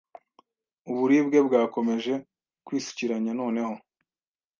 Uburibwe bwakomeje kwisukiranya noneho